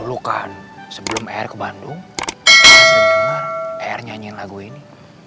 lo kan sebelum r ke bandung sering dengar r nyanyiin lagu ini